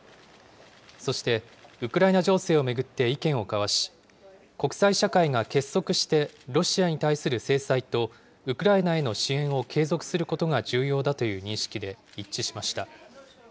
そして、ウクライナ情勢を巡って意見を交わし、国際社会が結束してロシアに対する制裁と、ウクライナへの支援を継続することが重要だという認識で一致しました。